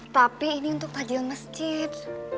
tapi ini untuk tajil masjid